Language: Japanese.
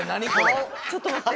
ちょっと待って。